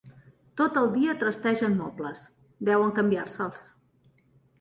Tot el dia trastegen mobles: deuen canviar-se'ls.